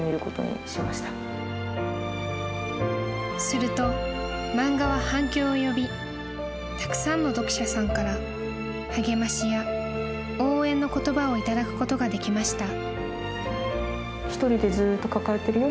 ［すると漫画は反響を呼びたくさんの読者さんから励ましや応援の言葉をいただくことができました］